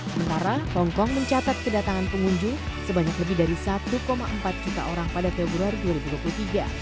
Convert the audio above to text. sementara hongkong mencatat kedatangan pengunjung sebanyak lebih dari satu empat juta orang pada februari dua ribu dua puluh tiga